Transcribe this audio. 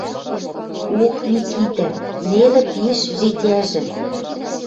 «Ох, Микитӓ, нелӹ пиш житяжӹ.